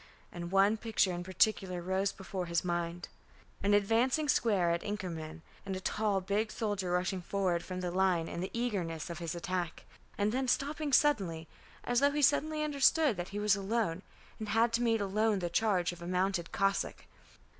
And one picture in particular rose before his mind, an advancing square at Inkermann, and a tall big soldier rushing forward from the line in the eagerness of his attack, and then stopping suddenly as though he suddenly understood that he was alone, and had to meet alone the charge of a mounted Cossack.